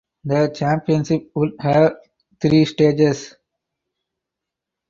The championship would have three stages.